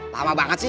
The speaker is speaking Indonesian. lama banget sih